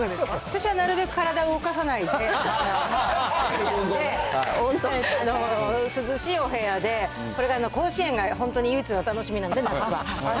私はなるべく体を動かさないで、涼しいお部屋で、これから甲子園が唯一の楽しみなので、夏は。